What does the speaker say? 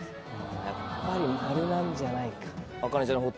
「やっぱり丸なんじゃないか」。